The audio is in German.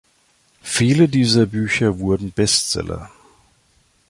Viele dieser Bücher wurden Bestseller.